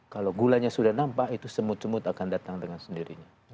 kalau gulanya sudah nampak itu semut semut akan datang dengan sendirinya